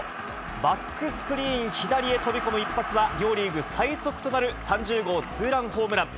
バックスクリーン左へ飛び込む一発は、両リーグ最速となる３０号ツーランホームラン。